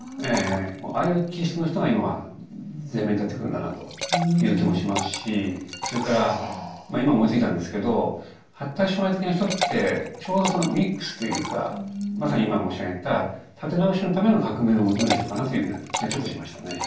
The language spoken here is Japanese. ああいう気質の人が今は前面に立ってくるんだなという気もしますしそれから今思いついたんですけど発達障害的な人ってちょうどそのミックスというかまさに今申し上げた立て直しのための革命を求める人かなという気がちょっとしましたね。